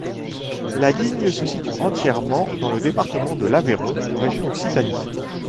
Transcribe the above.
La ligne se situe entièrement dans le département de l'Aveyron, en région Occitanie.